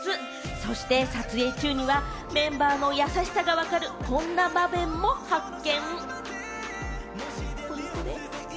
そして撮影中にはメンバーの優しさが分かるこんな場面も発見。